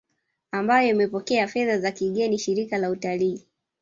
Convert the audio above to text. ambayo imepokea fedha za kigeni Shirika la Utalii